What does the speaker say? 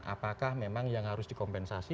apakah memang yang harus dikompensasi